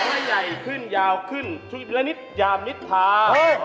เพราะใหญ่ขึ้นยาวขึ้นชุดยุณนิตยามนิษทศา